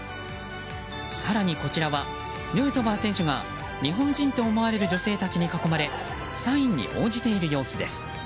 更にこちらは、ヌートバー選手が日本人と思われる女性たちに囲まれサインに応じている様子です。